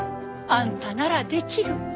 あんたならできる。